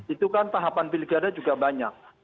itu kan tahapan pilkada juga banyak